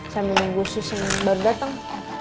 saya mendinggu sus yang baru datang